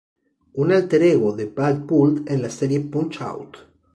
Un alter ego de Bald Bull de la serie Punch-Out!!